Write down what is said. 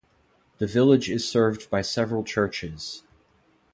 The village is served by several churches.